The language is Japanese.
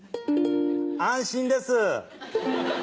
安心です。